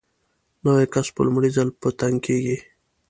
نوی کس په لومړي ځل په تنګ کېږي.